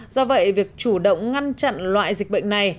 do vậy việc chủ động ngăn chặn loại dịch bệnh này